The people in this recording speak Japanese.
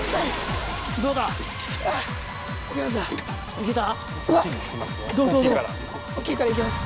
いけた？